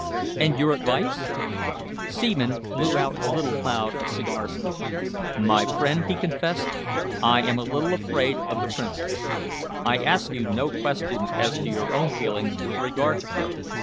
"And your advice?" Seaman blew out a little cloud of cigar smoke. "My friend," he confessed, "I am a little afraid of the Princess. I ask you no questions as to your own feelings with regard to her.